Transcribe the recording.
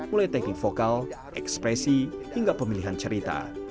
mulai teknik vokal ekspresi hingga pemilihan cerita